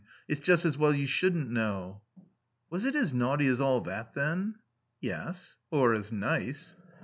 It's just as well you shouldn't know." "Was it as naughty as all that then?" "Yes. Or as nice."